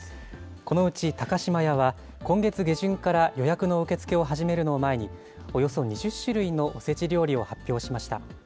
このうち高島屋は、今月下旬から予約の受け付けを始めるのを前に、およそ２０種類のおせち料理を発表しました。